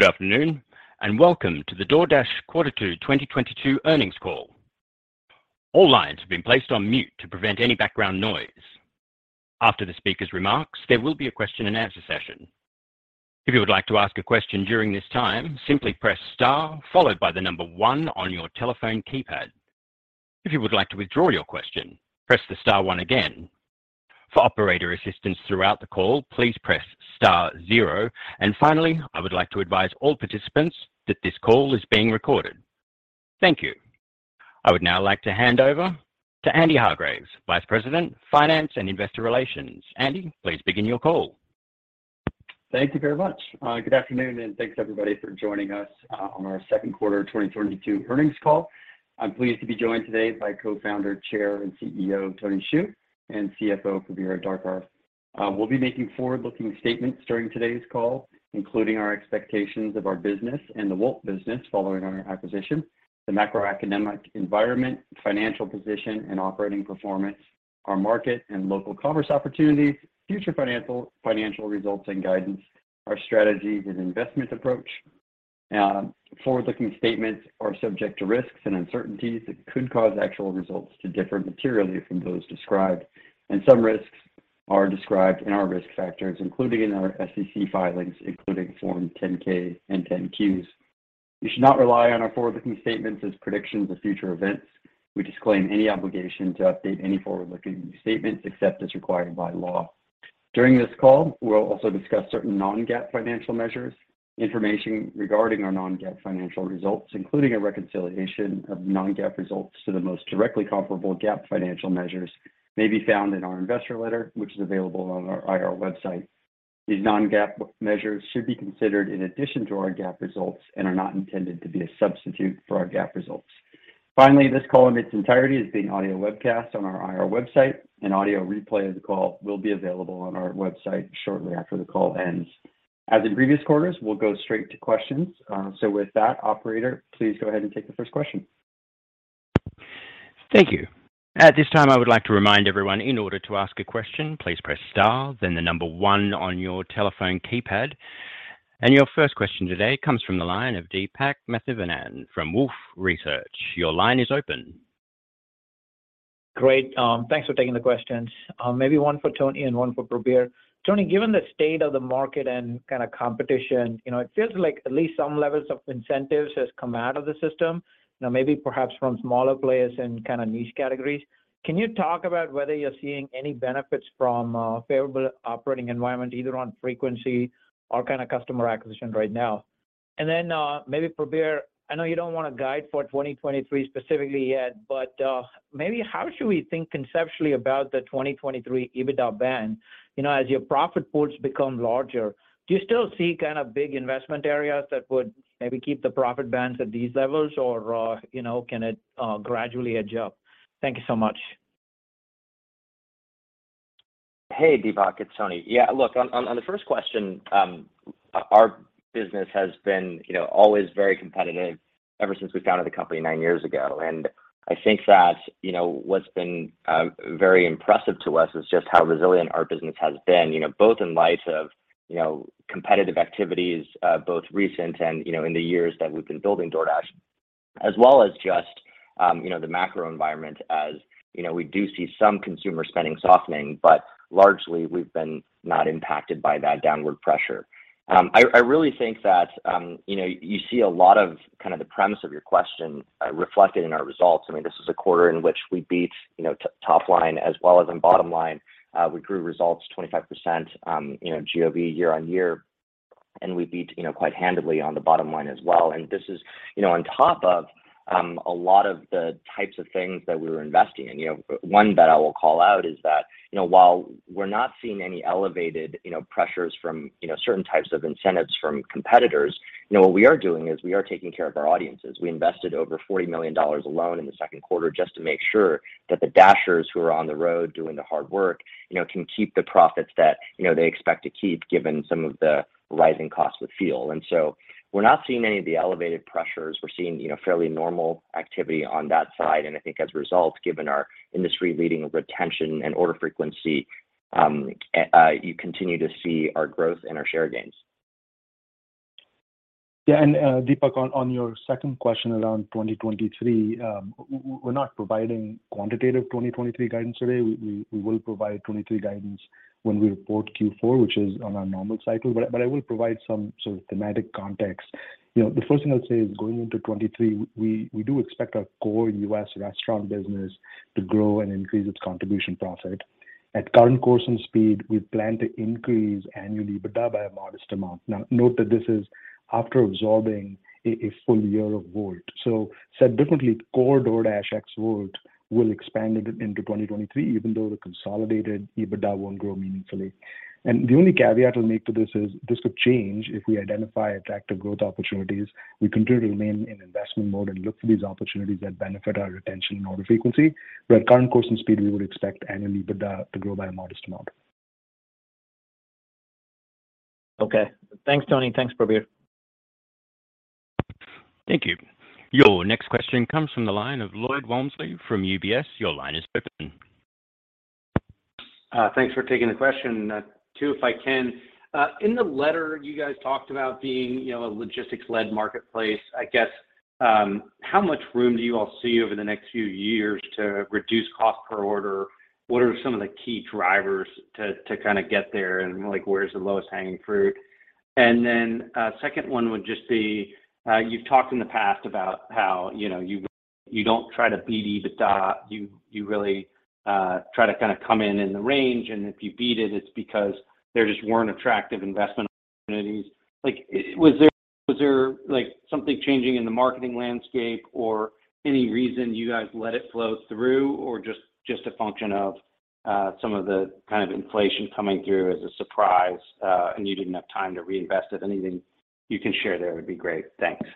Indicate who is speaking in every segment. Speaker 1: Good afternoon, and welcome to the DoorDash Quarter Two 2022 earnings call. All lines have been placed on mute to prevent any background noise. After the speaker's remarks, there will be a question and answer session. If you would like to ask a question during this time, simply press star followed by the number one on your telephone keypad. If you would like to withdraw your question, press the star one again. For operator assistance throughout the call, please press star zero. Finally, I would like to advise all participants that this call is being recorded. Thank you. I would now like to hand over to Andy Hargreaves, Vice President, Finance, and Investor Relations. Andy, please begin your call.
Speaker 2: Thank you very much. Good afternoon, and thanks, everybody, for joining us on our second quarter 2022 earnings call. I'm pleased to be joined today by Co-founder, Chair, and CEO Tony Xu, and CFO Prabir Adarkar. We'll be making forward-looking statements during today's call, including our expectations of our business and the Wolt business following our acquisition, the macroeconomic environment, financial position, and operating performance, our market and local commerce opportunities, future financial results and guidance, our strategies and investment approach. Forward-looking statements are subject to risks and uncertainties that could cause actual results to differ materially from those described, and some risks are described in our risk factors, including in our SEC filings, including Form 10-K and Form 10-Q. You should not rely on our forward-looking statements as predictions of future events. We disclaim any obligation to update any forward-looking statements except as required by law. During this call, we'll also discuss certain non-GAAP financial measures. Information regarding our non-GAAP financial results, including a reconciliation of non-GAAP results to the most directly comparable GAAP financial measures, may be found in our investor letter, which is available on our IR website. These non-GAAP measures should be considered in addition to our GAAP results and are not intended to be a substitute for our GAAP results. Finally, this call in its entirety is being audio webcast on our IR website. An audio replay of the call will be available on our website shortly after the call ends. As in previous quarters, we'll go straight to questions. With that, operator, please go ahead and take the first question.
Speaker 1: Thank you. At this time, I would like to remind everyone in order to ask a question, please press star, then the number one on your telephone keypad. Your first question today comes from the line of Deepak Mathivanan from Wolfe Research. Your line is open.
Speaker 3: Great. Thanks for taking the questions. Maybe one for Tony and one for Prabir. Tony, given the state of the market and kinda competition, you know, it feels like at least some levels of incentives has come out of the system, you know, maybe perhaps from smaller players in kind of niche categories. Can you talk about whether you're seeing any benefits from a favorable operating environment, either on frequency or kind of customer acquisition right now? And then, maybe Prabir, I know you don't want to guide for 2023 specifically yet, but, maybe how should we think conceptually about the 2023 EBITDA band? You know, as your profit pools become larger, do you still see kind of big investment areas that would maybe keep the profit bands at these levels or, you know, can it gradually edge up? Thank you so much.
Speaker 4: Hey, Deepak. It's Tony. Yeah, look, on the first question, our business has been, you know, always very competitive ever since we founded the company nine years ago. I think that, you know, what's been very impressive to us is just how resilient our business has been, you know, both in light of, you know, competitive activities, both recent and, you know, in the years that we've been building DoorDash, as well as just, you know, the macro environment. As you know, we do see some consumer spending softening, but largely we've been not impacted by that downward pressure. I really think that, you know, you see a lot of kind of the premise of your question, reflected in our results. I mean, this is 1/4 in which we beat, you know, top line as well as on bottom line. We grew results 25%, you know, GOV year-over-year, and we beat, you know, quite handedly on the bottom line as well. This is, you know, on top of a lot of the types of things that we were investing in. You know, one that I will call out is that, you know, while we're not seeing any elevated, you know, pressures from, you know, certain types of incentives from competitors, you know, what we are doing is we are taking care of our audiences. We investeD over $40 million alone in the second quarter just to make sure that the Dashers who are on the road doing the hard work, you know, can keep the profits that, you know, they expect to keep given some of the rising costs with fuel. We're not seeing any of the elevated pressures. We're seeing, you know, fairly normal activity on that side. I think as a result, given our industry-leading retention and order frequency, you continue to see our growth and our share gains.
Speaker 5: Yeah. Deepak, on your second question around 2023, we're not providing quantitative 2023 guidance today. We will provide 2023 guidance when we report Q4, which is on our normal cycle, but I will provide some sort of thematic context. You know, the first thing I'll say is going into 2023, we do expect our core U.S. restaurant business to grow and increase its contribution profit. At current course and speed, we plan to increase annually, but double by a modest amount. Now, note that this is after absorbing a full year of Wolt. So said differently, core DoorDash ex Wolt will expand into 2023, even though the consolidated EBITDA won't grow meaningfully. The only caveat I'll make to this is this could change if we identify attractive growth opportunities. We continue to remain in investment mode and look for these opportunities that benefit our retention and order frequency. At current course and speed, we would expect annual EBITDA to grow by a modest amount.
Speaker 3: Okay. Thanks, Tony. Thanks, Prabir.
Speaker 1: Thank you. Your next question comes from the line of Lloyd Walmsley from UBS. Your line is open.
Speaker 6: Thanks for taking the question. Two, if I can. In the letter, you guys talked about being, you know, a logistics-led marketplace. I guess, how much room do you all see over the next few years to reduce cost per order? What are some of the key drivers to kinda get there, and, like, where's the lowest hanging fruit? Then a second one would just be, you've talked in the past about how, you know, you don't try to beat EBITDA. You really try to kinda come in in the range, and if you beat it's because there just weren't attractive investment opportunities. Like, was there, like, something changing in the marketing landscape or any reason you guys let it flow through or just a function of some of the kind of inflation coming through as a surprise, and you didn't have time to reinvest? If anything you can share there, it would be great. Thanks.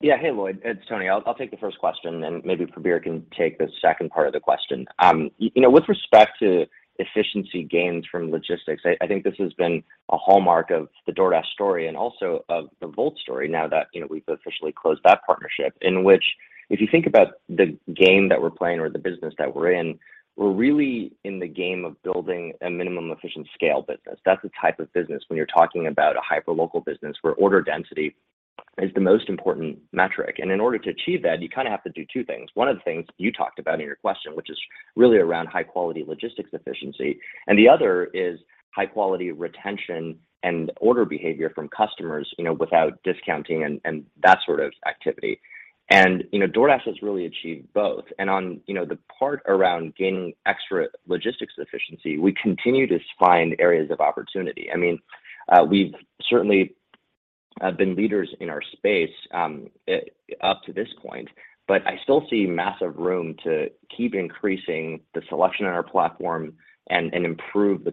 Speaker 4: Yeah. Hey, Lloyd, it's Tony. I'll take the first question, and maybe Prabir can take the second part of the question. You know, with respect to efficiency gains from logistics, I think this has been a hallmark of the DoorDash story and also of the Wolt story now that, you know, we've officially closed that partnership, in which if you think about the game that we're playing or the business that we're in, we're really in the game of building a minimum efficient scale business. That's the type of business when you're talking about a hyperlocal business, where order density is the most important metric. In order to achieve that, you kinda have to do two things. One of the things you talked about in your question, which is really around high-quality logistics efficiency, and the other is high-quality retention and order behavior from customers, you know, without discounting and that sort of activity. You know, DoorDash has really achieved both. On, you know, the part around gaining extra logistics efficiency, we continue to find areas of opportunity. I mean, we've certainly been leaders in our space up to this point, but I still see massive room to keep increasing the selection on our platform and improve the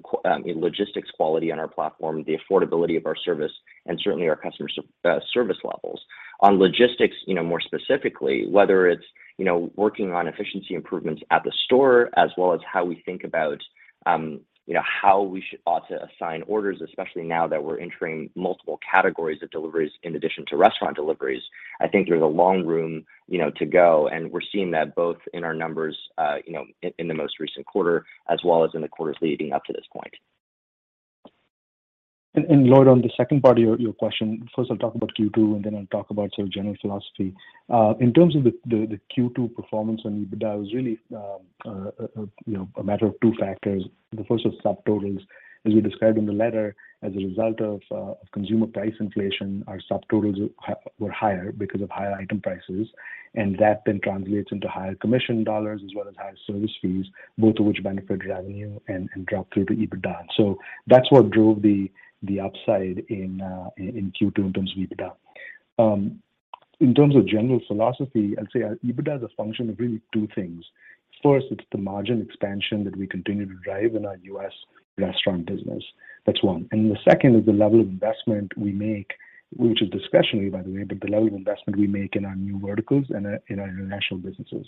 Speaker 4: logistics quality on our platform, the affordability of our service, and certainly our customer service levels. On logistics, you know, more specifically, whether it's, you know, working on efficiency improvements at the store as well as how we think about, you know, how we ought to assign orders, especially now that we're entering multiple categories of deliveries in addition to restaurant deliveries, I think there's a long runway, you know, to go, and we're seeing that both in our numbers, you know, in the most recent quarter, as well as in the quarters leading up to this point.
Speaker 5: Lloyd, on the second part of your question, first I'll talk about Q2, and then I'll talk about sort of general philosophy. In terms of the Q2 performance on EBITDA was really, you know, a matter of two factors. The first was subtotals. As we described in the letter, as a result of consumer price inflation, our subtotals were higher because of higher item prices, and that then translates into higher commission dollars as well as higher service fees, both of which benefit revenue and drop through to EBITDA. That's what drove the upside in Q2 in terms of EBITDA. In terms of general philosophy, I'd say EBITDA is a function of really two things. First, it's the margin expansion that we continue to drive in our U.S. restaurant business. That's one. The second is the level of investment we make, which is discretionary, by the way, but the level of investment we make in our new verticals and in our international businesses.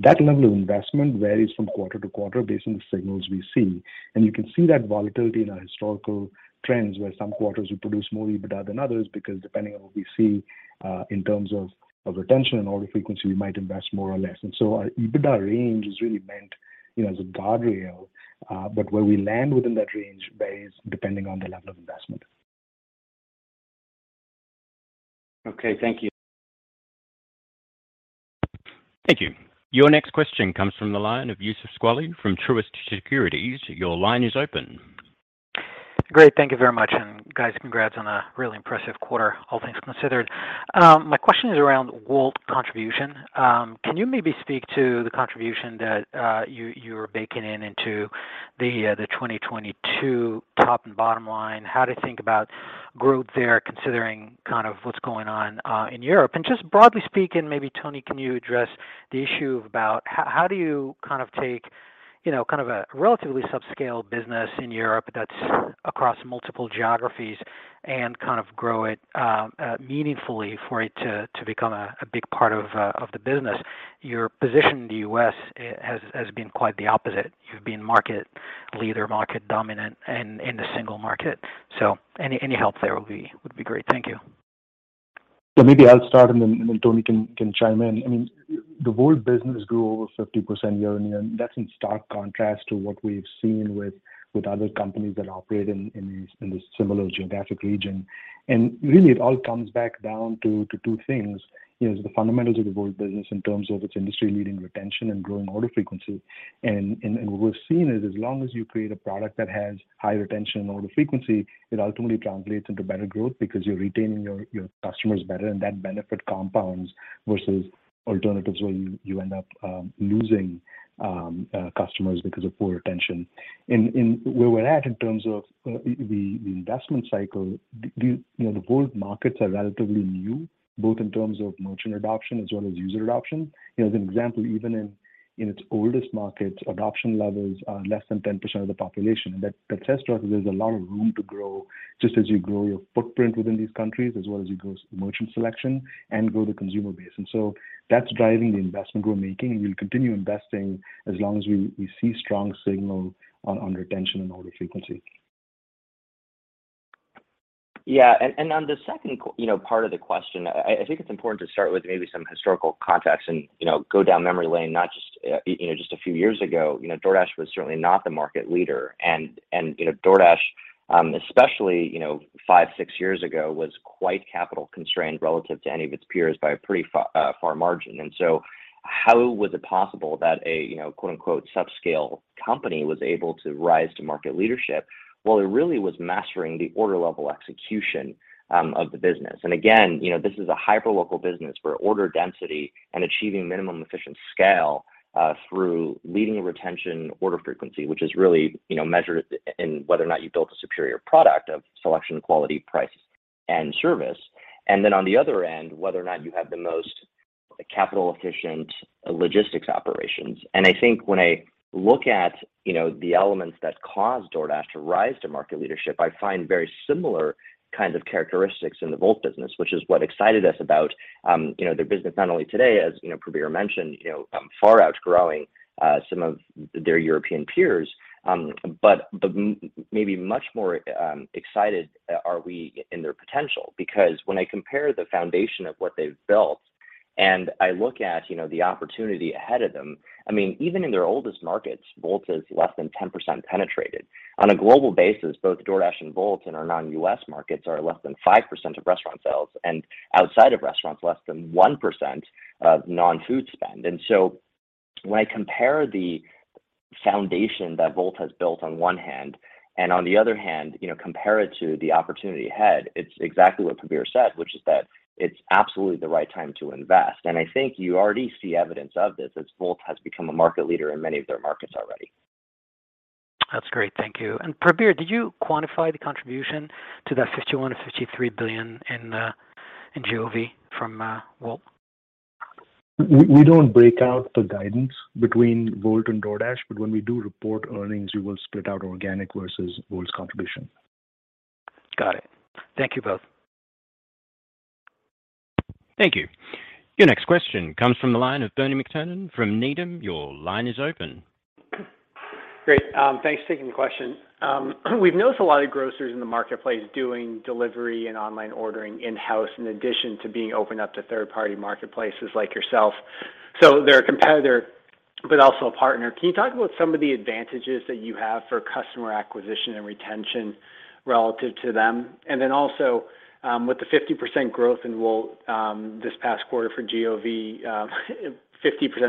Speaker 5: That level of investment varies from quarter to quarter based on the signals we see. You can see that volatility in our historical trends, where some quarters we produce more EBITDA than others because depending on what we see in terms of retention and order frequency, we might invest more or less. Our EBITDA range is really meant, you know, as a guardrail, but where we land within that range varies depending on the level of investment.
Speaker 6: Okay, thank you.
Speaker 1: Thank you. Your next question comes from the line of Youssef Squali from Truist Securities. Your line is open.
Speaker 7: Great. Thank you very much. Guys, congrats on a really impressive quarter, all things considered. My question is around Wolt contribution. Can you maybe speak to the contribution that you are baking in into the 2022 top and bottom line? How to think about growth there, considering kind of what's going on in Europe? Just broadly speaking, maybe Tony, can you address the issue about how do you kind of take, you know, kind of a relatively subscale business in Europe that's across multiple geographies and kind of grow it meaningfully for it to become a big part of the business? Your position in the U.S. has been quite the opposite. You've been market leader, market dominant in the single market. Any help there would be great. Thank you.
Speaker 5: Maybe I'll start, and then Tony can chime in. I mean, the Wolt business grew over 50% year-over-year, and that's in stark contrast to what we've seen with other companies that operate in this similar geographic region. Really it all comes back down to two things, you know. The fundamentals of the Wolt business in terms of its industry-leading retention and growing order frequency, and what we've seen is as long as you create a product that has high retention and order frequency, it ultimately translates into better growth because you're retaining your customers better, and that benefit compounds versus alternatives where you end up losing customers because of poor retention. Where we're at in terms of the investment cycle, you know, the Wolt markets are relatively new, both in terms of merchant adoption as well as user adoption. You know, as an example, even in its oldest markets, adoption levels are less than 10% of the population. That tells us there's a lot of room to grow, just as you grow your footprint within these countries, as well as you grow merchant selection and grow the consumer base. That's driving the investment we're making, and we'll continue investing as long as we see strong signal on retention and order frequency.
Speaker 4: Yeah. On the second, you know, part of the question, I think it's important to start with maybe some historical context and, you know, go down memory lane, not just, you know, just a few years ago, you know, DoorDash was certainly not the market leader. You know, DoorDash, especially, you know, five, six years ago, was quite capital constrained relative to any of its peers by a pretty far margin. How was it possible that a, you know, quote unquote, "subscale company" was able to rise to market leadership? Well, it really was mastering the order level execution of the business. You know, this is a hyper-local business where order density and achieving minimum efficient scale through leading retention order frequency, which is really, you know, measured in whether or not you built a superior product of selection, quality, price, and service. Then on the other end, whether or not you have the most capital efficient logistics operations. I think when I look at, you know, the elements that caused DoorDash to rise to market leadership, I find very similar kinds of characteristics in the Wolt business, which is what excited us about, you know, their business, not only today, as you know, Prabir mentioned, you know, far outgrowing some of their European peers, but maybe much more excited are we in their potential. Because when I compare the foundation of what they've built and I look at, you know, the opportunity ahead of them, I mean, even in their oldest markets, Wolt is less than 10% penetrated. On a global basis, both DoorDash and Wolt in our non-U.S. markets are less than 5% of restaurant sales, and outside of restaurants, less than 1% of non-food spend. When I compare the foundation that Wolt has built on one hand, and on the other hand, you know, compare it to the opportunity ahead, it's exactly what Prabir said, which is that it's absolutely the right time to invest. I think you already see evidence of this, as Wolt has become a market leader in many of their markets already.
Speaker 7: That's great. Thank you. Prabir, did you quantify the contribution to that $51 billion-$53 billion in GOV from Wolt?
Speaker 5: We don't break out the guidance between Wolt and DoorDash, but when we do report earnings, we will split out organic versus Wolt's contribution.
Speaker 7: Got it. Thank you both.
Speaker 1: Thank you. Your next question comes from the line of Bernie McTernan from Needham. Your line is open.
Speaker 8: Great. Thanks. Taking the question. We've noticed a lot of grocers in the marketplace doing delivery and online ordering in-house, in addition to being open up to third-party marketplaces like yourself, so they're a competitor but also a partner. Can you talk about some of the advantages that you have for customer acquisition and retention relative to them? Then also, with the 50% growth in Wolt this past quarter for GOV, 50%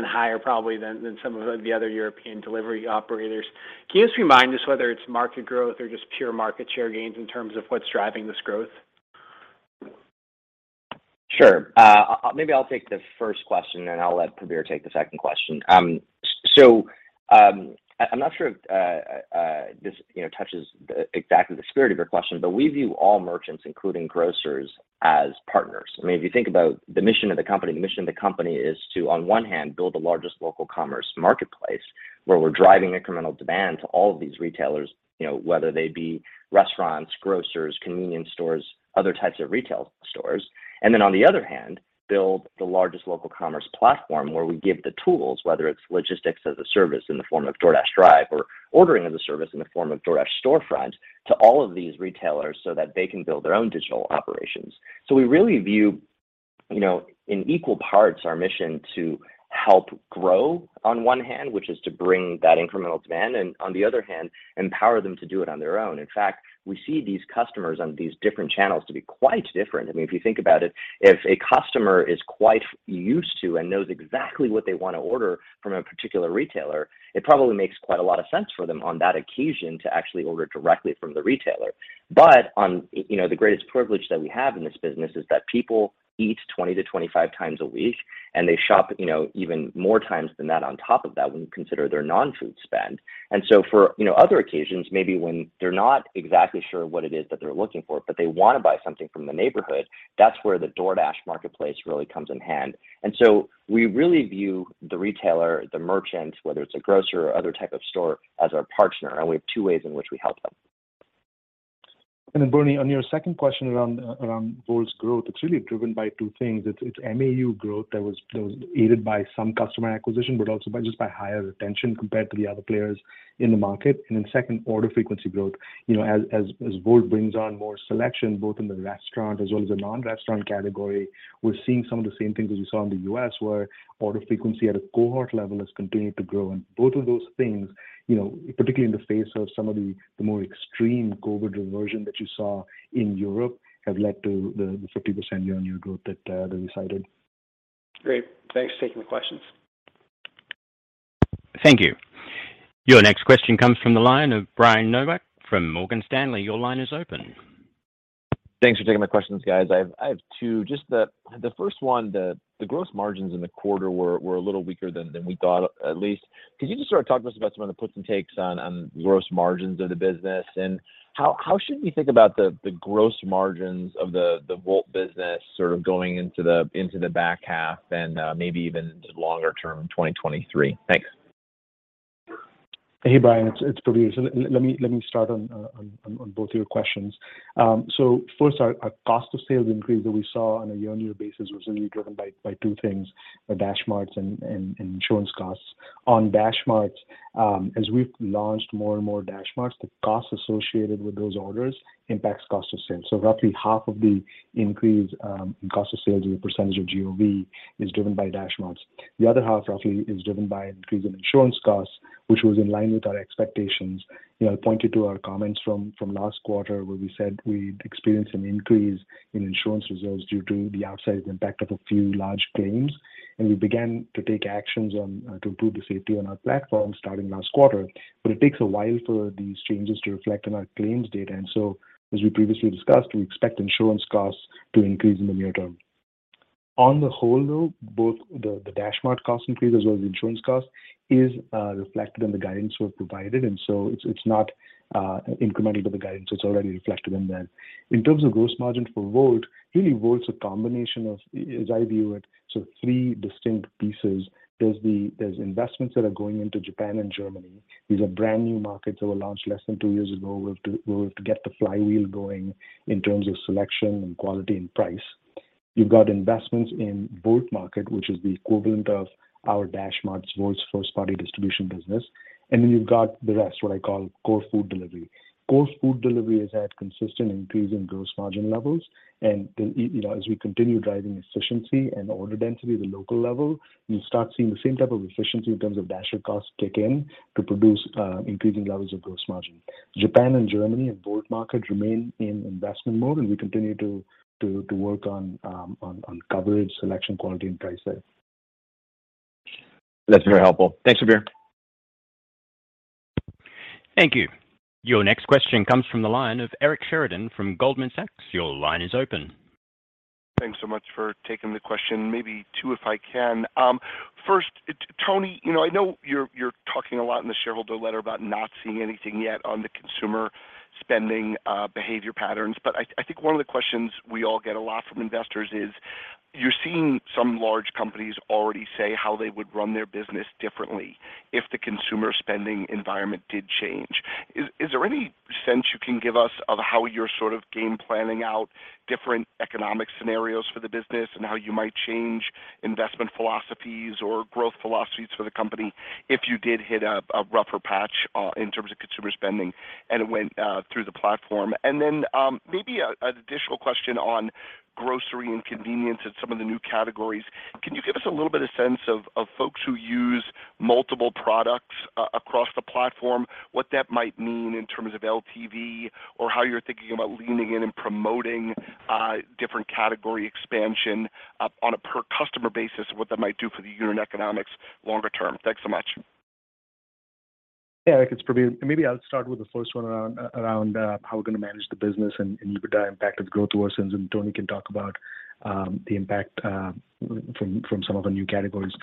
Speaker 8: higher probably than some of the other European delivery operators. Can you just remind us whether it's market growth or just pure market share gains in terms of what's driving this growth?
Speaker 4: Sure. Maybe I'll take the first question, and I'll let Prabir take the second question. I'm not sure if this, you know, touches exactly the spirit of your question, but we view all merchants, including grocers, as partners. I mean, if you think about the mission of the company, the mission of the company is to, on one hand, build the largest local commerce marketplace, where we're driving incremental demand to all of these retailers, you know, whether they be restaurants, grocers, convenience stores, other types of retail stores. On the other hand, build the largest local commerce platform where we give the tools, whether it's logistics as a service in the form of DoorDash Drive or ordering as a service in the form of DoorDash Storefront, to all of these retailers so that they can build their own digital operations. We really view, you know, in equal parts our mission to help grow on one hand, which is to bring that incremental demand, and on the other hand, empower them to do it on their own. In fact, we see these customers on these different channels to be quite different. I mean, if you think about it, if a customer is quite used to and knows exactly what they want to order from a particular retailer, it probably makes quite a lot of sense for them on that occasion to actually order directly from the retailer. On, you know, the greatest privilege that we have in this business is that people eat 20-25 times a week, and they shop, you know, even more times than that on top of that when you consider their non-food spend. For, you know, other occasions, maybe when they're not exactly sure what it is that they're looking for, but they want to buy something from the neighborhood, that's where the DoorDash marketplace really comes in handy. We really view the retailer, the merchant, whether it's a grocer or other type of store, as our partner, and we have two ways in which we help them.
Speaker 5: Bernie, on your second question around Wolt's growth, it's really driven by two things. It's MAU growth that was aided by some customer acquisition, but also by just higher retention compared to the other players in the market. Second, order frequency growth. You know, as Wolt brings on more selection, both in the restaurant as well as the non-restaurant category, we're seeing some of the same things as we saw in the U.S., where order frequency at a cohort level has continued to grow. Both of those things, you know, particularly in the face of some of the more extreme COVID reversion that you saw in Europe, have led to the 50% year-on-year growth that is cited.
Speaker 8: Great. Thanks for taking the questions.
Speaker 1: Thank you. Your next question comes from the line of Brian Nowak from Morgan Stanley. Your line is open.
Speaker 9: Thanks for taking my questions, guys. I have two. Just the first one, the gross margins in the quarter were a little weaker than we thought, at least. Could you just sort of talk to us about some of the puts and takes on gross margins of the business? How should we think about the gross margins of the Wolt business sort of going into the back half and maybe even longer term, 2023? Thanks.
Speaker 5: Hey, Brian, it's Prabir. Let me start on both of your questions. First, our cost of sales increase that we saw on a year-on-year basis was really driven by two things, the DashMarts and insurance costs. On DashMarts, as we've launched more and more DashMarts, the costs associated with those orders impacts cost of sales. Roughly half of the increase in cost of sales as a percentage of GOV is driven by DashMarts. The other half roughly is driven by an increase in insurance costs, which was in line with our expectations. You know, I pointed to our comments from last quarter where we said we'd experienced an increase in insurance reserves due to the outsized impact of a few large claims. We began to take actions on to improve the safety on our platform starting last quarter. It takes a while for these changes to reflect on our claims data, and so as we previously discussed, we expect insurance costs to increase in the near term. On the whole, though, both the DashMart cost increase as well as the insurance cost is reflected in the guidance we've provided, and so it's not incremental to the guidance. It's already reflected in there. In terms of gross margin for Drive, really Drive's a combination of, as I view it, sort of three distinct pieces. There's investments that are going into Japan and Germany. These are brand new markets that were launched less than two years ago. We have to get the flywheel going in terms of selection and quality and price. You've got investments in Wolt Market, which is the equivalent of our DashMart, Wolt's first-party distribution business. You've got the rest, what I call core food delivery. Core food delivery has had consistent increase in gross margin levels, and, you know, as we continue driving efficiency and order density at the local level, you'll start seeing the same type of efficiency in terms of Dasher costs kick in to produce increasing levels of gross margin. Japan and Germany and Wolt Market remain in investment mode, and we continue to work on coverage, selection, quality, and price there.
Speaker 9: That's very helpful. Thanks, Prabir.
Speaker 1: Thank you. Your next question comes from the line of Eric Sheridan from Goldman Sachs. Your line is open.
Speaker 10: Thanks so much for taking the question. Maybe two, if I can. First, Tony, you know, I know you're talking a lot in the shareholder letter about not seeing anything yet on the consumer spending behavior patterns, but I think one of the questions we all get a lot from investors is you're seeing some large companies already say how they would run their business differently if the consumer spending environment did change. Is there any sense you can give us of how you're sort of game planning out different economic scenarios for the business and how you might change investment philosophies or growth philosophies for the company if you did hit a rougher patch in terms of consumer spending, and it went through the platform? Maybe an additional question on grocery and convenience and some of the new categories. Can you give us a little bit of sense of folks who use multiple products across the platform, what that might mean in terms of LTV or how you're thinking about leaning in and promoting different category expansion on a per customer basis, what that might do for the unit economics longer term? Thanks so much.
Speaker 5: Yeah, Eric, it's Prabir. Maybe I'll start with the first one around how we're gonna manage the business and EBITDA impact of growth to our sense, and Tony can talk about the impact from some of the new categories.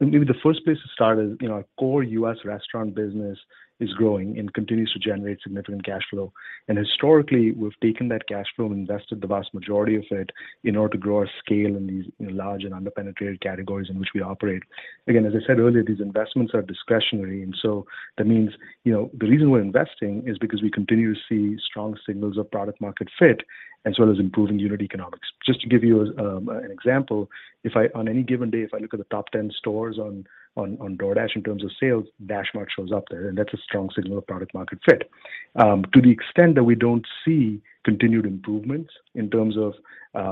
Speaker 5: Maybe the first place to start is, you know, our core U.S. restaurant business is growing and continues to generate significant cash flow. Historically, we've taken that cash flow and invested the vast majority of it in order to grow our scale in these, you know, large and under-penetrated categories in which we operate. Again, as I said earlier, these investments are discretionary, and so that means, you know, the reason we're investing is because we continue to see strong signals of product market fit as well as improving unit economics. Just to give you an example, if on any given day I look at the top 10 stores on DoorDash in terms of sales, DashMart shows up there, and that's a strong signal of product market fit. To the extent that we don't see continued improvements in terms of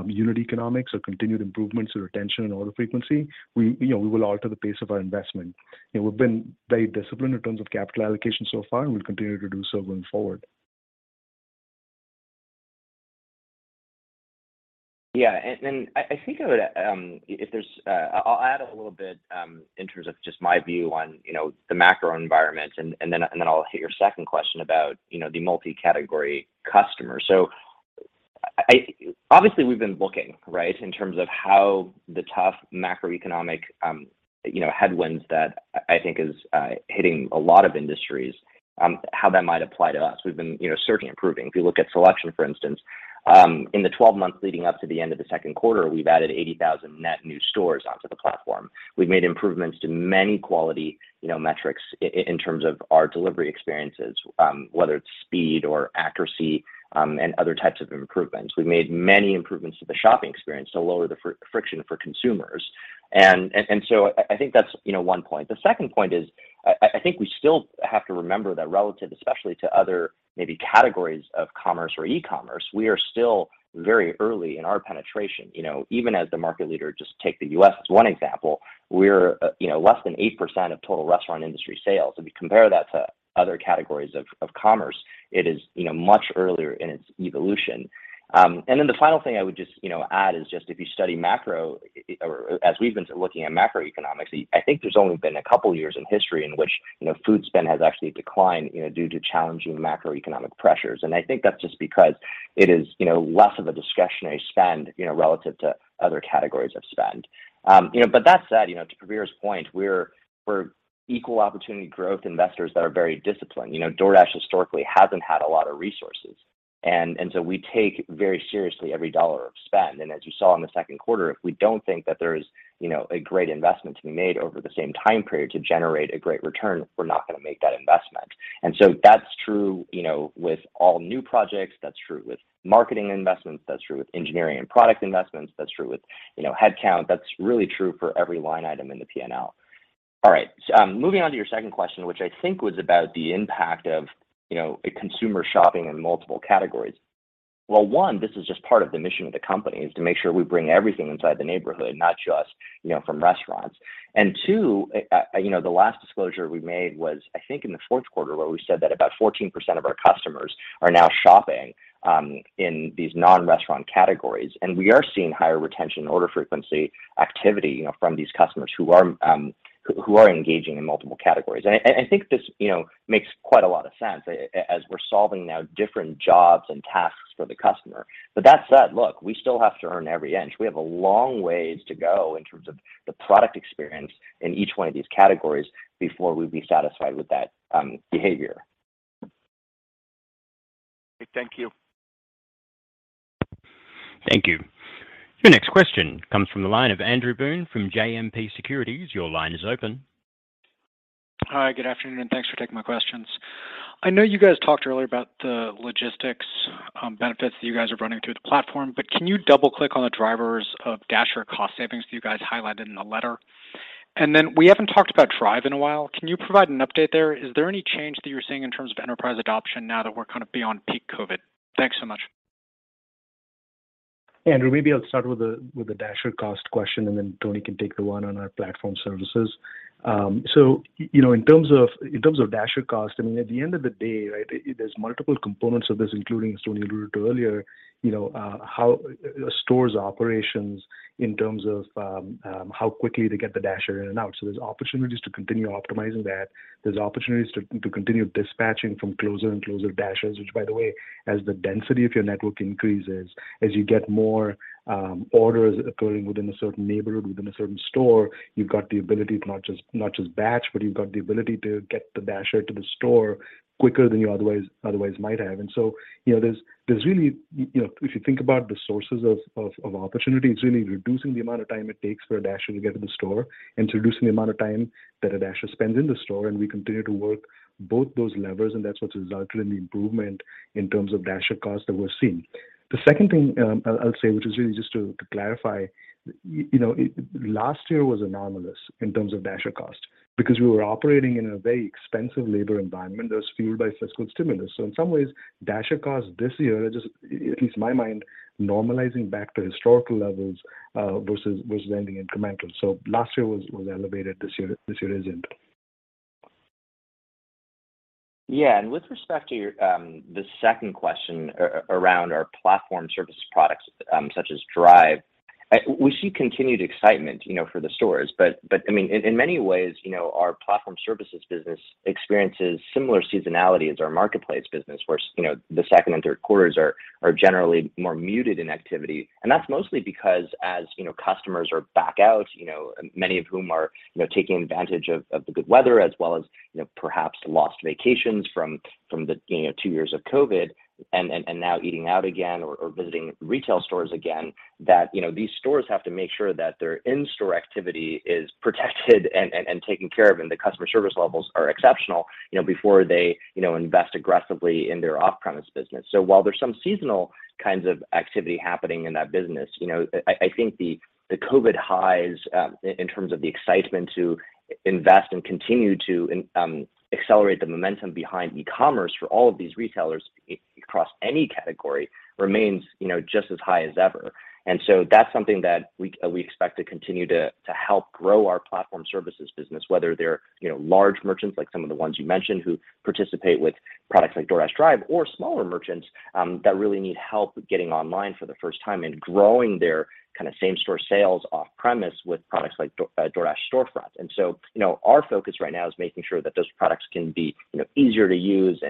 Speaker 5: unit economics or continued improvements or retention and order frequency, you know, we will alter the pace of our investment. You know, we've been very disciplined in terms of capital allocation so far, and we'll continue to do so going forward.
Speaker 4: Yeah. I think I'll add a little bit in terms of just my view on, you know, the macro environment and then I'll hit your second question about, you know, the multi-category customer. Obviously, we've been looking, right, in terms of how the tough macroeconomic, you know, headwinds that I think is hitting a lot of industries, how that might apply to us. We've been, you know, certainly improving. If you look at selection, for instance, in the 12 months leading up to the end of the second quarter, we've added 80,000 net new stores onto the platform. We've made improvements to many quality, you know, metrics in terms of our delivery experiences, whether it's speed or accuracy, and other types of improvements. We've made many improvements to the shopping experience to lower the friction for consumers. I think that's, you know, one point. The second point is, I think we still have to remember that relative, especially to other maybe categories of commerce or e-commerce, we are still very early in our penetration. You know, even as the market leader, just take the U.S. as one example, we're, you know, less than 8% of total restaurant industry sales. If you compare that to other categories of commerce, it is, you know, much earlier in its evolution. Then the final thing I would just, you know, add is just if you study macro, or as we've been looking at macroeconomics, I think there's only been a couple of years in history in which, you know, food spend has actually declined, you know, due to challenging macroeconomic pressures. I think that's just because it is, you know, less of a discretionary spend, you know, relative to other categories of spend. You know, that said, you know, to Prabir's point, we're equal opportunity growth investors that are very disciplined. You know, DoorDash historically hasn't had a lot of resources, and so we take very seriously every dollar of spend. As you saw in the second quarter, if we don't think that there is, you know, a great investment to be made over the same time period to generate a great return, we're not gonna make that investment. That's true, you know, with all new projects, that's true with marketing investments, that's true with engineering and product investments, that's true with, you know, headcount. That's really true for every line item in the P&L. All right. Moving on to your second question, which I think was about the impact of, you know, a consumer shopping in multiple categories. Well, one, this is just part of the mission of the company, is to make sure we bring everything inside the neighborhood, not just, you know, from restaurants. Two, you know, the last disclosure we made was, I think, in the fourth quarter, where we said that about 14% of our customers are now shopping in these non-restaurant categories. We are seeing higher retention order frequency activity, you know, from these customers who are engaging in multiple categories. I think this, you know, makes quite a lot of sense as we're solving now different jobs and tasks for the customer. That said, look, we still have to earn every inch. We have a long ways to go in terms of the product experience in each one of these categories before we'd be satisfied with that behavior.
Speaker 10: Thank you.
Speaker 1: Thank you. Your next question comes from the line of Andrew Boone from JMP Securities. Your line is open.
Speaker 11: Hi, good afternoon, and thanks for taking my questions. I know you guys talked earlier about the logistics benefits that you guys are running through the platform, but can you double-click on the drivers of Dasher cost savings that you guys highlighted in the letter? We haven't talked about Drive in a while. Can you provide an update there? Is there any change that you're seeing in terms of enterprise adoption now that we're kind of beyond peak COVID? Thanks so much.
Speaker 5: Andrew, maybe I'll start with the Dasher cost question, and then Tony can take the one on our platform services. You know, in terms of Dasher cost, I mean, at the end of the day, right, there's multiple components of this, including as Tony alluded to earlier, you know, how stores' operations in terms of how quickly they get the Dasher in and out. There's opportunities to continue optimizing that. There's opportunities to continue dispatching from closer and closer Dashers, which by the way, as the density of your network increases, as you get more orders occurring within a certain neighborhood, within a certain store, you've got the ability to not just batch, but you've got the ability to get the Dasher to the store quicker than you otherwise might have. You know, there's really, you know, if you think about the sources of opportunity, it's really reducing the amount of time it takes for a Dasher to get to the store and reducing the amount of time that a Dasher spends in the store, and we continue to work both those levers, and that's what's resulted in the improvement in terms of Dasher costs that we're seeing. The second thing, I'll say, which is really just to clarify, you know, last year was anomalous in terms of Dasher cost because we were operating in a very expensive labor environment that was fueled by fiscal stimulus. In some ways, Dasher cost this year just, at least in my mind, normalizing back to historical levels, versus ending incremental. Last year was elevated, this year isn't.
Speaker 4: With respect to your, the second question around our platform service products, such as Drive, we see continued excitement, you know, for the Storefront. I mean, in many ways, you know, our platform services business experiences similar seasonality as our marketplace business where, you know, the second and third quarters are generally more muted in activity. That's mostly because as, you know, customers are back out, you know, many of whom are, you know, taking advantage of the good weather as well as, you know, perhaps lost vacations from the, you know, two years of COVID and now eating out again or visiting retail stores again, that, you know, these stores have to make sure that their in-store activity is protected and taken care of and the customer service levels are exceptional, you know, before they, you know, invest aggressively in their off-premise business. While there's some seasonal kinds of activity happening in that business, you know, I think the COVID highs in terms of the excitement to invest and continue to accelerate the momentum behind e-commerce for all of these retailers across any category remains, you know, just as high as ever. That's something that we expect to continue to help grow our platform services business, whether they're, you know, large merchants like some of the ones you mentioned who participate with products like DoorDash Drive or smaller merchants that really need help with getting online for the first time and growing their kind of same store sales off premise with products like DoorDash Storefront. You know, our focus right now is making sure that those products can be, you know, easier to use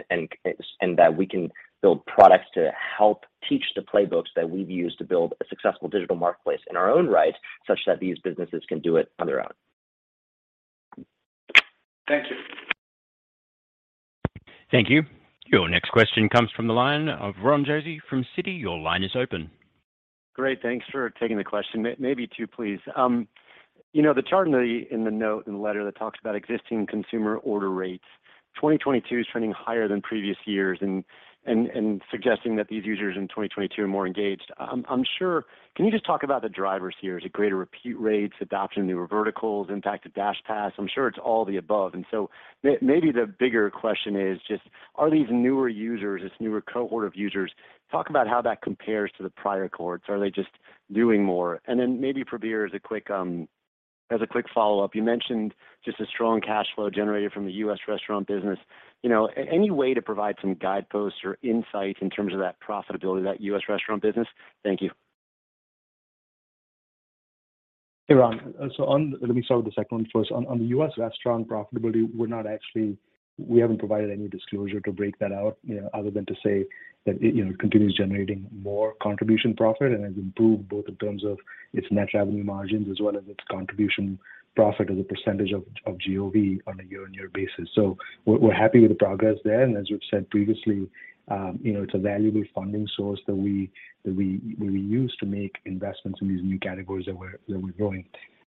Speaker 4: and that we can build products to help teach the playbooks that we've used to build a successful digital marketplace in our own right, such that these businesses can do it on their own.
Speaker 11: Thank you.
Speaker 1: Thank you. Your next question comes from the line of Ron Josey from Citi. Your line is open.
Speaker 12: Great. Thanks for taking the question. Maybe two, please. You know, the chart in the note in the letter that talks about existing consumer order rates, 2022 is trending higher than previous years and suggesting that these users in 2022 are more engaged. I'm sure. Can you just talk about the drivers here? Is it greater repeat rates, adoption of newer verticals, impact of DashPass? I'm sure it's all the above. Maybe the bigger question is just are these newer users, this newer cohort of users, talk about how that compares to the prior cohorts. Are they just doing more? Maybe, Prabir, as a quick follow-up, you mentioned just a strong cash flow generated from the U.S. restaurant business. You know, any way to provide some guideposts or insight in terms of that profitability of that U.S. restaurant business? Thank you.
Speaker 5: Hey, Ron. Let me start with the second one first. On the U.S. restaurant profitability, we haven't provided any disclosure to break that out, you know, other than to say that it you know continues generating more contribution profit and has improved both in terms of its net revenue margins as well as its contribution profit as a percentage of GOV on a year-on-year basis. We're happy with the progress there. As we've said previously, you know, it's a valuable funding source that we use to make investments in these new categories that we're growing.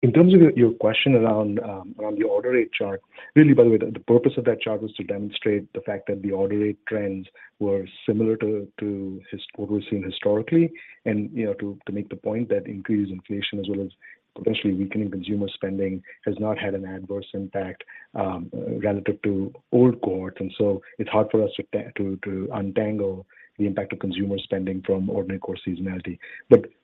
Speaker 5: In terms of your question around the order rate chart, really, by the way, the purpose of that chart was to demonstrate the fact that the order rate trends were similar to what we've seen historically. You know, to make the point that increased inflation as well as potentially weakening consumer spending has not had an adverse impact relative to old cohorts. It's hard for us to untangle the impact of consumer spending from ordinary course seasonality.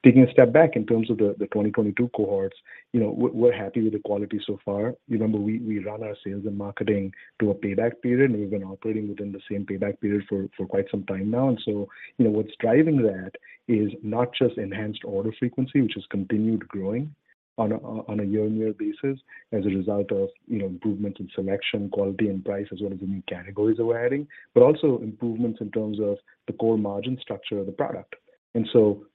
Speaker 5: Taking a step back in terms of the 2022 cohorts, you know, we're happy with the quality so far. Remember, we run our sales and marketing to a payback period, and we've been operating within the same payback period for quite some time now. You know, what's driving that is not just enhanced order frequency, which has continued growing on a year-over-year basis as a result of, you know, improvements in selection, quality, and price, as well as the new categories that we're adding, but also improvements in terms of the core margin structure of the product.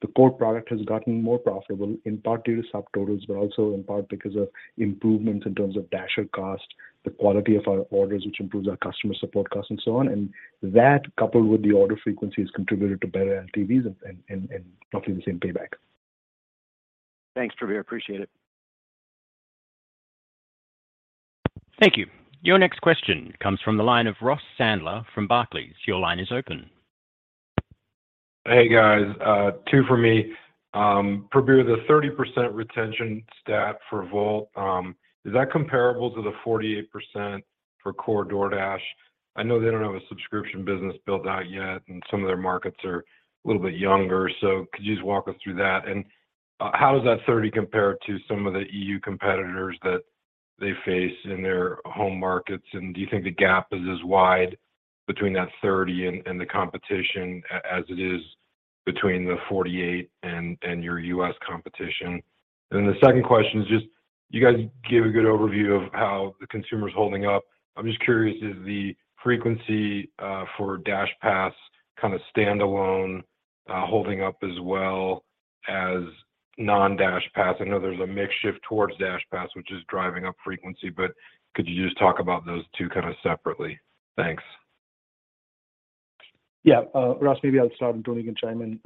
Speaker 5: The core product has gotten more profitable, in part due to subtotals, but also in part because of improvements in terms of Dasher cost, the quality of our orders, which improves our customer support cost and so on. That, coupled with the order frequency, has contributed to better LTVs and hopefully the same payback.
Speaker 12: Thanks, Prabir. Appreciate it.
Speaker 1: Thank you. Your next question comes from the line of Ross Sandler from Barclays. Your line is open.
Speaker 13: Hey, guys, two for me. Prabir, the 30% retention stat for Wolt, is that comparable to the 48% for core DoorDash? I know they don't have a subscription business built out yet, and some of their markets are a little bit younger. Could you just walk us through that? How does that 30 compare to some of the E.U. competitors that they face in their home markets? Do you think the gap is as wide between that 30 and the competition as it is between the 48 and your U.S. competition? Then the second question is just, you guys gave a good overview of how the consumer is holding up. I'm just curious, is the frequency for DashPass kind of standalone holding up as well as non-DashPass? I know there's a mix shift towards DashPass, which is driving up frequency, but could you just talk about those two kind of separately? Thanks.
Speaker 5: Yeah. Ross, maybe I'll start, and Tony can chime in.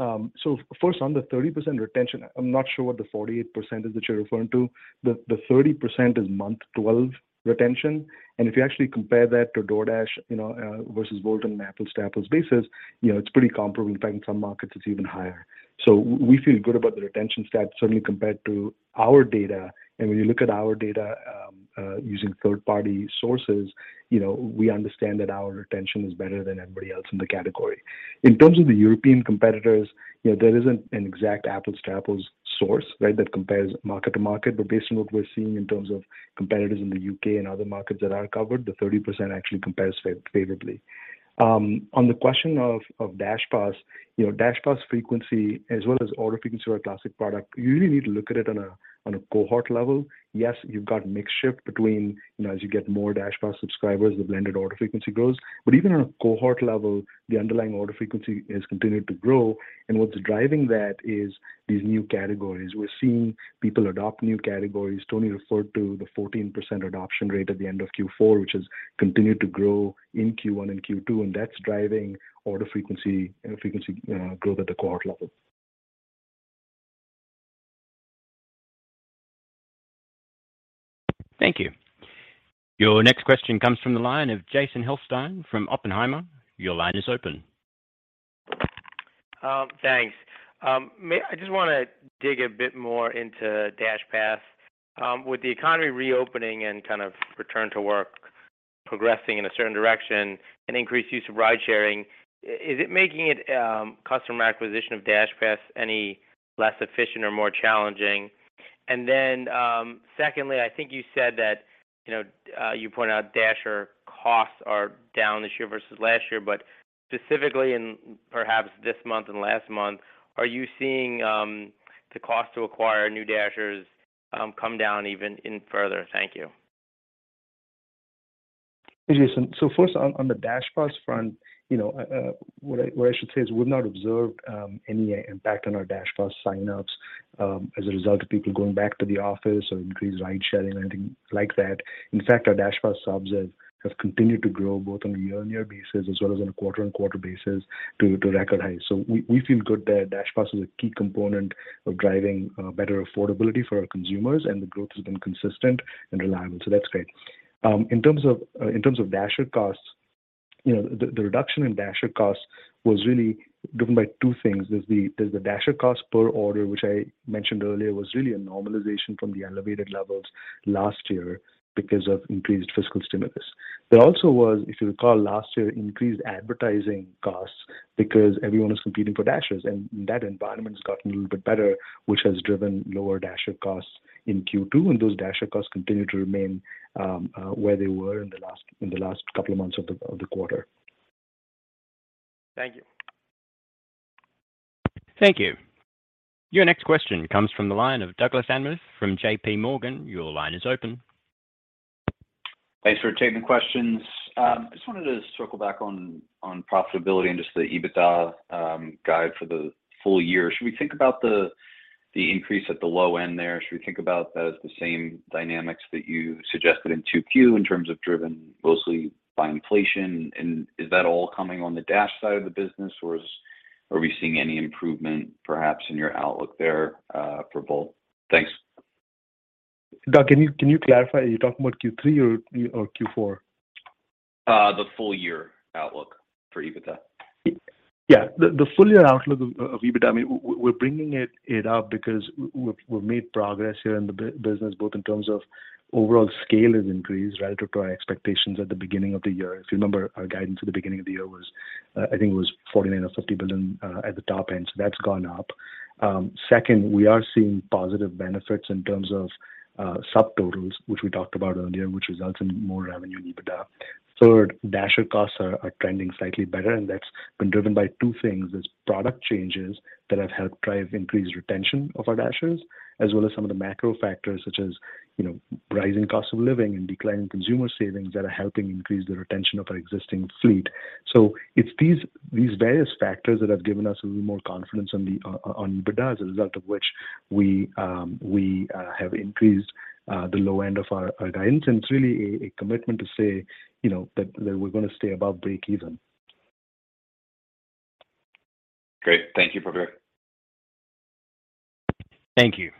Speaker 5: First on the 30% retention, I'm not sure what the 48% is that you're referring to. The 30% is month 12 retention. If you actually compare that to DoorDash, you know, versus Wolt on an apples-to-apples basis, you know, it's pretty comparable. In fact, in some markets, it's even higher. We feel good about the retention stat, certainly compared to our data. When you look at our data, using third-party sources, you know, we understand that our retention is better than everybody else in the category. In terms of the European competitors, you know, there isn't an exact apples-to-apples source, right, that compares market to market. Based on what we're seeing in terms of competitors in the U.K. and other markets that are covered, the 30% actually compares favorably. On the question of DashPass, you know, DashPass frequency as well as order frequency of our classic product, you really need to look at it on a cohort level. Yes, you've got mix shift between, you know, as you get more DashPass subscribers, the blended order frequency grows. Even on a cohort level, the underlying order frequency has continued to grow. And what's driving that is these new categories. We're seeing people adopt new categories. Tony referred to the 14% adoption rate at the end of Q4, which has continued to grow in Q1 and Q2, and that's driving order frequency growth at the cohort level.
Speaker 1: Thank you. Your next question comes from the line of Jason Helfstein from Oppenheimer. Your line is open.
Speaker 14: Thanks. I just wanna dig a bit more into DashPass. With the economy reopening and kind of return to work progressing in a certain direction and increased use of ride-sharing, is it making it customer acquisition of DashPass any less efficient or more challenging? Secondly, I think you said that, you know, you pointed out Dasher costs are down this year versus last year, but specifically in perhaps this month and last month, are you seeing the cost to acquire new Dashers come down even further? Thank you.
Speaker 5: Hey, Jason. First on the DashPass front, you know, what I should say is we've not observed any impact on our DashPass sign-ups as a result of people going back to the office or increased ride-sharing or anything like that. In fact, our DashPass subs have continued to grow both on a year-on-year basis as well as on a quarter-on-quarter basis to record highs. We feel good that DashPass is a key component of driving better affordability for our consumers, and the growth has been consistent and reliable. That's great. In terms of Dasher costs, you know, the reduction in Dasher costs was really driven by two things. There's the Dasher cost per order, which I mentioned earlier, was really a normalization from the elevated levels last year because of increased fiscal stimulus. There also was, if you recall, last year, increased advertising costs because everyone was competing for Dashers, and that environment has gotten a little bit better, which has driven lower Dasher costs in Q2. Those Dasher costs continue to remain where they were in the last couple of months of the quarter. Thank you.
Speaker 1: Thank you. Your next question comes from the line of Douglas Anmuth from JPMorgan. Your line is open.
Speaker 15: Thanks for taking the questions. Just wanted to circle back on profitability and just the EBITDA guide for the full year. Should we think about the increase at the low end there? Should we think about that as the same dynamics that you suggested in 2Q in terms of driven mostly by inflation? Is that all coming on the Dash side of the business, or are we seeing any improvement perhaps in your outlook there for both? Thanks.
Speaker 5: Doug, can you clarify? Are you talking about Q3 or Q4?
Speaker 15: The full year outlook for EBITDA.
Speaker 5: Yeah. The full year outlook of EBITDA, I mean, we're bringing it up because we've made progress here in the business, both in terms of overall scale has increased relative to our expectations at the beginning of the year. If you remember, our guidance at the beginning of the year was, I think it was $49 or 50 billion at the top end. That's gone up. Second, we are seeing positive benefits in terms of subtotals, which we talked about earlier, which results in more revenue in EBITDA. Third, Dasher costs are trending slightly better, and that's been driven by two things. There's product changes that have helped drive increased retention of our Dashers, as well as some of the macro factors such as, you know, rising cost of living and declining consumer savings that are helping increase the retention of our existing fleet. It's these various factors that have given us a little more confidence on the on EBITDA, as a result of which we have increased the low end of our our guidance. It's really a commitment to say, you know, that we're gonna stay above break even.
Speaker 15: Great. Thank you, Prabir.
Speaker 1: Thank you.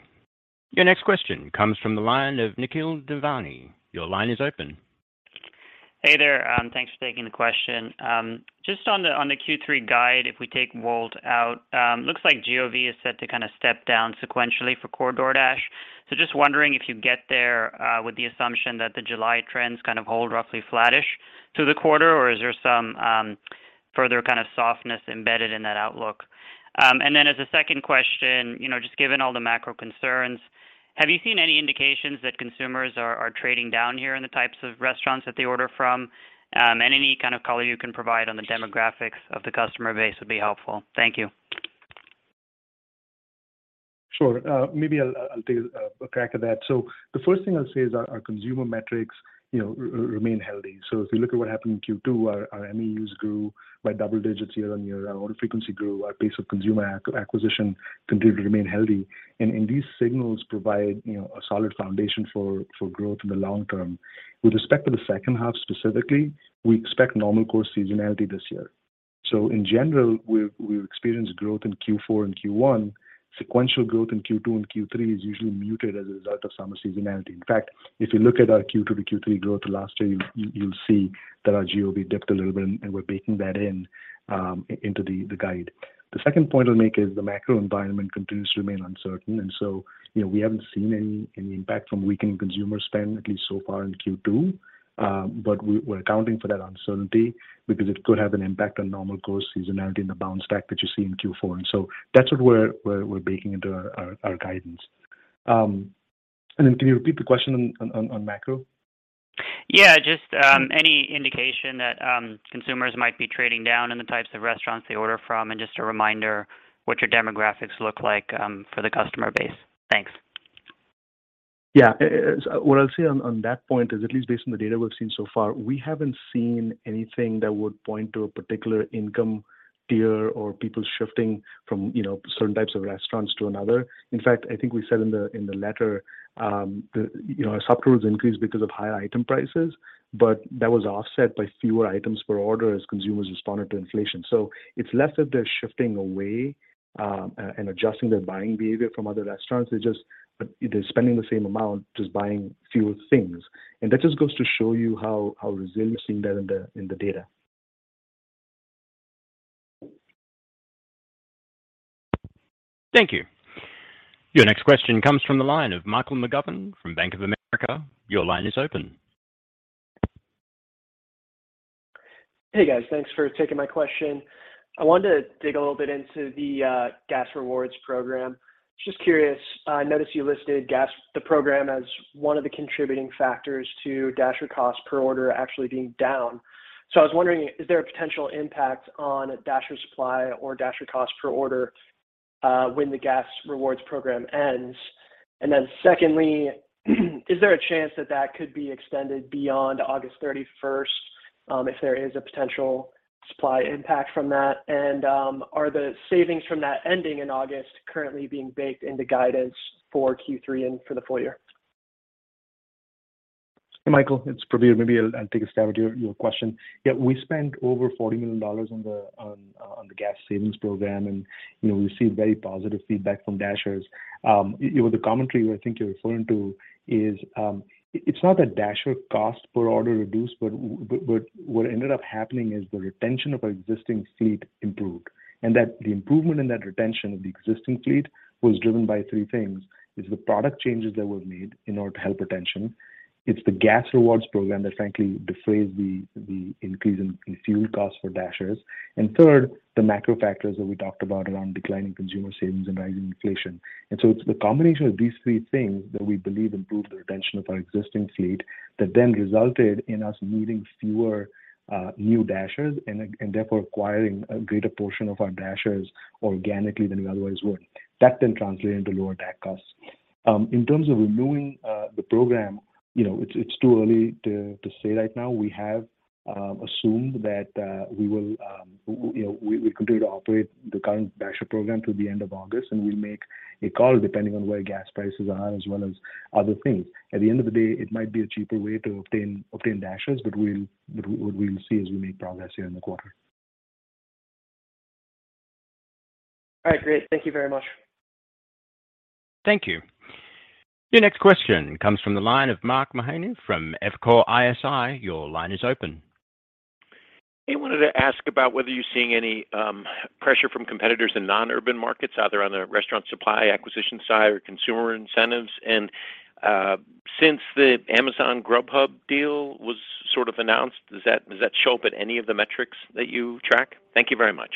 Speaker 1: Your next question comes from the line of Nikhil Devnani. Your line is open.
Speaker 16: Hey there. Thanks for taking the question. Just on the Q3 guide, if we take Wolt out, looks like GOV is set to kind of step down sequentially for core DoorDash. Just wondering if you get there with the assumption that the July trends kind of hold roughly flattish through the quarter, or is there some further kind of softness embedded in that outlook? And then as a second question, you know, just given all the macro concerns, have you seen any indications that consumers are trading down here in the types of restaurants that they order from? And any kind of color you can provide on the demographics of the customer base would be helpful. Thank you.
Speaker 5: Sure. Maybe I'll take a crack at that. The first thing I'll say is our consumer metrics, you know, remain healthy. If you look at what happened in Q2, our MEUs grew by double digits year-over-year. Our order frequency grew. Our pace of consumer acquisition continued to remain healthy. These signals provide, you know, a solid foundation for growth in the long term. With respect to the second half specifically, we expect normal course seasonality this year. In general, we've experienced growth in Q4 and Q1. Sequential growth in Q2 and Q3 is usually muted as a result of summer seasonality. In fact, if you look at our Q2 to Q3 growth last year, you'll see that our GOV dipped a little bit, and we're baking that in into the guide. The second point I'll make is the macro environment continues to remain uncertain. You know, we haven't seen any impact from weakening consumer spend, at least so far in Q2. We're accounting for that uncertainty because it could have an impact on normal course seasonality and the bounce back that you see in Q4. That's what we're baking into our guidance. Can you repeat the question on macro?
Speaker 16: Yeah. Just, any indication that, consumers might be trading down in the types of restaurants they order from, and just a reminder what your demographics look like, for the customer base. Thanks.
Speaker 5: Yeah, what I'll say on that point is, at least based on the data we've seen so far, we haven't seen anything that would point to a particular income tier or people shifting from, you know, certain types of restaurants to another. In fact, I think we said in the letter, you know, our subtotals increased because of higher item prices, but that was offset by fewer items per order as consumers responded to inflation. So it's less that they're shifting away and adjusting their buying behavior from other restaurants. They're spending the same amount, just buying fewer things. That just goes to show you how resilient we're seeing that in the data.
Speaker 1: Thank you. Your next question comes from the line of Michael McGovern from Bank of America. Your line is open.
Speaker 17: Hey, guys. Thanks for taking my question. I wanted to dig a little bit into the gas rewards program. Just curious, I noticed you listed gas, the program, as one of the contributing factors to Dasher cost per order actually being down. I was wondering, is there a potential impact on Dasher supply or Dasher cost per order when the gas rewards program ends? Secondly, is there a chance that that could be extended beyond August thirty-first if there is a potential supply impact from that? Are the savings from that ending in August currently being baked into guidance for Q3 and for the full year?
Speaker 5: Hey, Michael, it's Prabir. Maybe I'll take a stab at your question. Yeah. We spent over $40 million on the gas savings program, and, you know, we've received very positive feedback from Dashers. You know, the commentary I think you're referring to is, it's not that Dasher cost per order reduced, but what ended up happening is the retention of our existing fleet improved. That the improvement in that retention of the existing fleet was driven by three things. It's the product changes that were made in order to help retention. It's the gas rewards program that frankly defrays the increase in fuel costs for Dashers. Third, the macro factors that we talked about around declining consumer savings and rising inflation. It's the combination of these three things that we believe improved the retention of our existing fleet that then resulted in us needing fewer new Dashers and therefore acquiring a greater portion of our Dashers organically than we otherwise would. That then translated into lower DAC costs. In terms of renewing the program, you know, it's too early to say right now. We have assumed that we will, you know, we continue to operate the current Dasher program through the end of August, and we'll make a call depending on where gas prices are as well as other things. At the end of the day, it might be a cheaper way to obtain Dashers, but we'll see as we make progress here in the quarter.
Speaker 17: All right. Great. Thank you very much.
Speaker 1: Thank you. Your next question comes from the line of Mark Mahaney from Evercore ISI. Your line is open.
Speaker 18: Hey. Wanted to ask about whether you're seeing any pressure from competitors in non-urban markets, either on the restaurant supply acquisition side or consumer incentives. Since the Amazon Grubhub deal was sort of announced, does that show up at any of the metrics that you track? Thank you very much.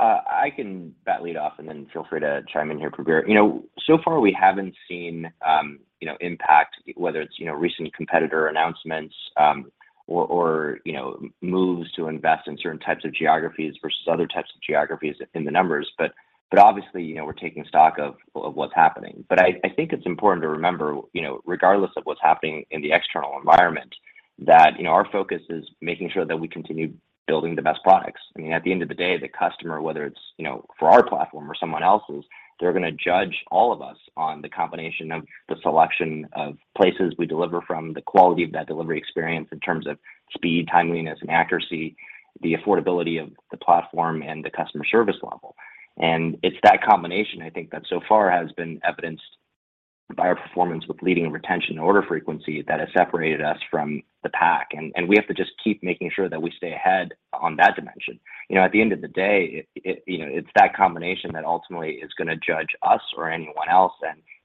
Speaker 4: I can bat lead off, and then feel free to chime in here, Prabir. You know, so far, we haven't seen, you know, impact, whether it's, you know, recent competitor announcements, or, you know, moves to invest in certain types of geographies versus other types of geographies in the numbers. But obviously, you know, we're taking stock of what's happening. But I think it's important to remember, you know, regardless of what's happening in the external environment, that, you know, our focus is making sure that we continue building the best products. I mean, at the end of the day, the customer, whether it's, you know, for our platform or someone else's, they're gonna judge all of us on the combination of the selection of places we deliver from, the quality of that delivery experience in terms of speed, timeliness, and accuracy, the affordability of the platform and the customer service level. It's that combination I think that so far has been evidenced by our performance with leading retention order frequency that has separated us from the pack, and we have to just keep making sure that we stay ahead on that dimension. You know, at the end of the day, you know, it's that combination that ultimately is gonna judge us or anyone else.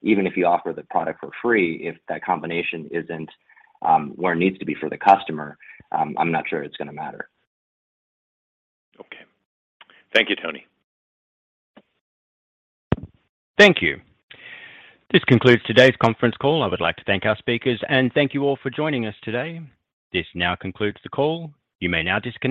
Speaker 4: Even if you offer the product for free, if that combination isn't where it needs to be for the customer, I'm not sure it's gonna matter.
Speaker 18: Okay. Thank you, Tony.
Speaker 1: Thank you. This concludes today's conference call. I would like to thank our speakers and thank you all for joining us today. This now concludes the call. You may now disconnect.